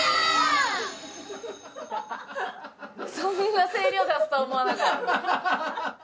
そんな声量出すと思わんかった。